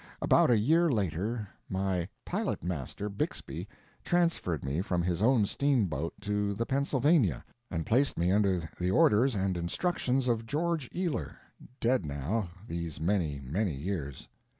About a year later my pilot master, Bixby, transferred me from his own steamboat to the Pennsylvania, and placed me under the orders and instructions of George Ealer—dead now, these many, many years.